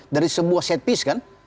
dari sebuah set piece kan